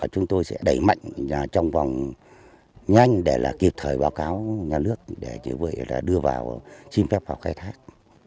chúng tôi sẽ đẩy mạnh trong vòng nhanh để kịp thời báo cáo nhà nước để đưa vào xin phép vào khai thác